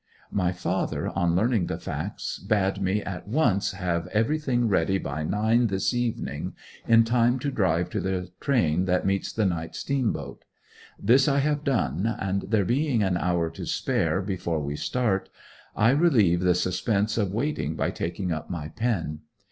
My father, on learning the facts, bade me at once have everything ready by nine this evening, in time to drive to the train that meets the night steam boat. This I have done, and there being an hour to spare before we start, I relieve the suspense of waiting by taking up my pen.